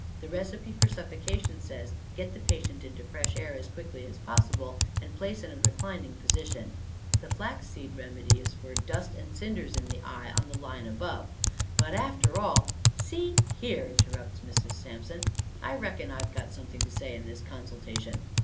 The recipe for suffocation says: 'Get the patient into fresh air as quickly as possible, and place in a reclining position.' The flaxseed remedy is for 'Dust and Cinders in the Eye,' on the line above. But, after all—" "See here," interrupts Mrs. Sampson, "I reckon I've got something to say in this consultation.